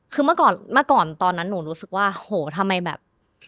คือเมื่อก่อนตอนนั้นหนูรู้สึกว่าโหทำไมแบบ